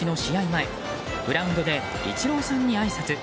前グラウンドでイチローさんにあいさつ。